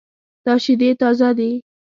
دا شیدې تازه دي